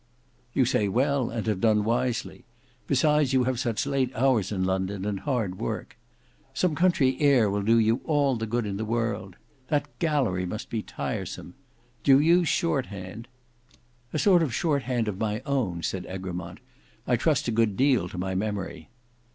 "You say well and have done wisely. Besides you have such late hours in London, and hard work. Some country air will do you all the good in the world. That gallery must be tiresome. Do you use shorthand?" "A sort of shorthand of my own," said Egremont. "I trust a good deal to my memory."